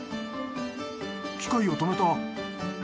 機械を止めた。